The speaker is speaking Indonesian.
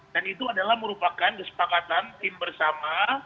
dan itu adalah merupakan kesepakatan tim bersama